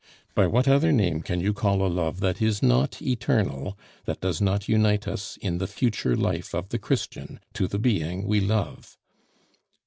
"By what other name can you call a love that is not eternal, that does not unite us in the future life of the Christian, to the being we love?"